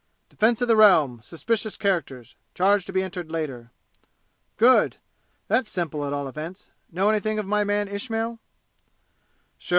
"Defense of the Realm suspicious characters charge to be entered later." "Good! That's simple at all events! Know anything of my man Ismail?" "Sure!